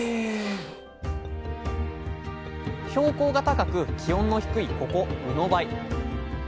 標高が高く気温の低いここうのばい。